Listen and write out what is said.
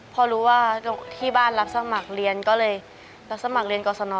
พอรู้ว่าที่บ้านรับสมัครเรียนก็เลยรับสมัครเรียนกรสน